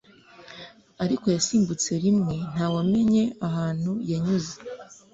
ariko ya simbutse rimwe ntawamenye ahantu yanyuze